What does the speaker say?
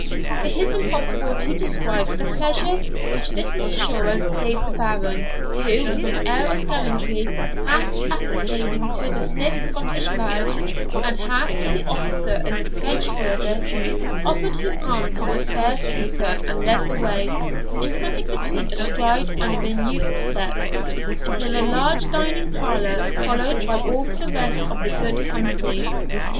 It is impossible to describe the pleasure which this assurance gave the Baron, who, with an air of gallantry half appertaining to the stiff Scottish laird and half to the officer in the French service, offered his arm to the fair speaker, and led the way, in something between a stride and a minuet step, into the large dining parlour, followed by all the rest of the good company.